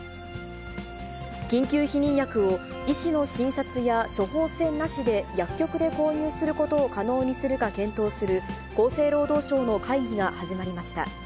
緊急避妊薬を医師の診察や処方箋なしで薬局で購入することを可能にするか検討する、厚生労働省の会議が始まりました。